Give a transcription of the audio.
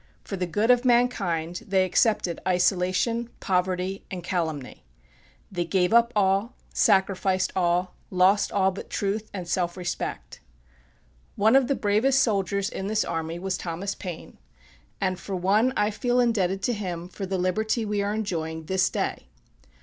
For the good of mankind they accepted isolation, poverty, and calumny. They gave up all, sacrificed all, lost all but truth and self respect. One of the bravest soldiers in this army was Thomas Paine; and for one, I feel indebted to him for the liberty we are enjoying this day.